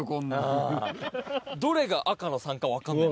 どれが赤のさんか分かんない。